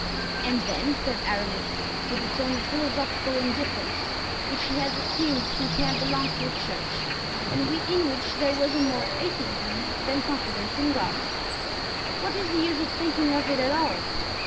"And then," said Aramis, with the tone of philosophical indifference which he had assumed since he had belonged to the church and in which there was more atheism than confidence in God, "what is the use of thinking of it all?